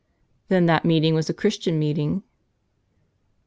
" "Then that meeting was a Christian meeting?"